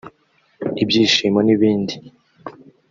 ibishyimbo n’ibindi